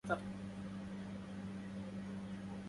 ما رأيك بشأن سلوكه ؟